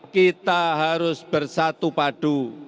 kita harus bersatu padu